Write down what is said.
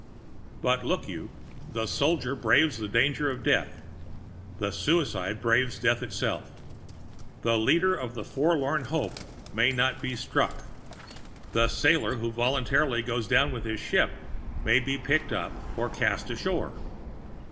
But look you: the soldier braves the danger of death; the suicide braves death itself! The leader of the forlorn hope may not be struck. The sailor who voluntarily goes down with his ship may be picked up or cast ashore.